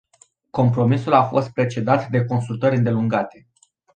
Compromisul a fost precedat de consultări îndelungate.